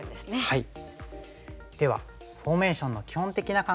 はい。